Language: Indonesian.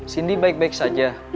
cindy baik baik saja